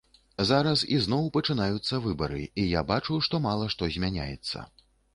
Зараз ізноў пачынаюцца выбары, і я бачу, што мала што змяняецца.